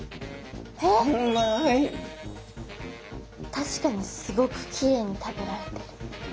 確かにすごくきれいに食べられてる。